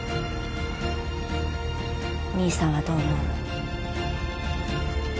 兄さんはどう思う？